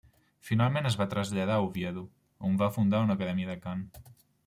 Finalment es va traslladar a Oviedo on va fundar una acadèmia de cant.